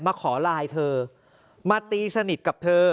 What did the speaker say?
มาขอไลน์เธอมาตีสนิทกับเธอ